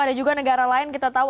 ada juga negara lain kita tahu